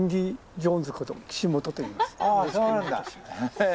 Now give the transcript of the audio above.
そうなんだ。